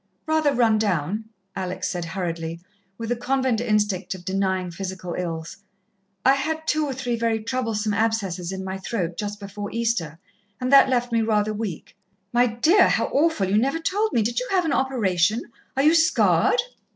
"Rather run down," Alex said hurriedly, with the convent instinct of denying physical ills. "I had two or three very troublesome abscesses in my throat, just before Easter, and that left me rather weak." "My dear, how awful! You never told me. Did you have an operation? Are you scarred?"